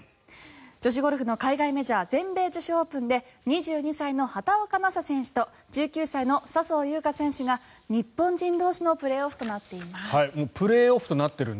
女子ゴルフの海外メジャー全米女子オープンで２２歳の畑岡奈紗選手と１９歳の笹生優花選手が日本人同士のプレーオフとなっています。